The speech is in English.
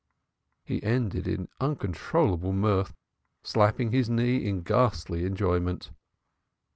He ended in uncontrollable mirth, slapping his knee in ghastly enjoyment.